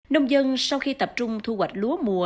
nông dân sau khi tập trung thu hoạch lúa mùa